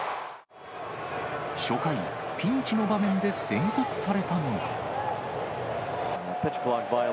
初回、ピンチの場面で宣告されたのは。